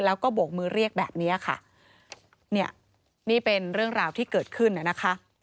แล้วก็โบกมือเรียกแบบเนี้ยค่ะเนี่ยนี่เป็นเรื่องราวที่เกิดขึ้นน่ะนะคะ